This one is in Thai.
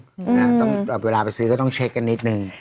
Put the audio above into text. ต้องเวลาไปซื้อก็ต้องเช็คกันนิดนึง